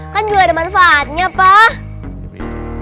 kan juga ada manfaatnya pak